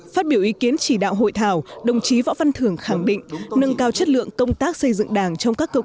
phát biểu ý kiến chỉ đạo hội thảo đồng chí võ văn thưởng khẳng định nâng cao chất lượng công tác